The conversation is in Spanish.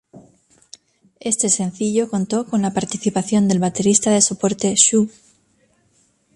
Este sencillo contó con la participación del baterista de soporte Shue.